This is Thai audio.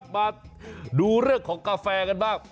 มาดูเรื่องของกาแฟกันบ้าง